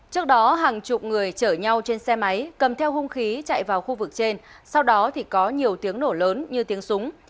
trước đó hàng chục người chở nhau trên xe máy cầm theo hung khí chạy vào khu vực trên sau đó thì có nhiều tiếng nổ lớn như tiếng súng